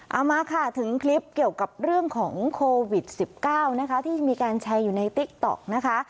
เอามาค่ะถึงคลิปเกี่ยวกับเรื่องของโควิด๑๙นะคะที่มีการแชร์อยู่ในติ๊กต๊อกนะคะ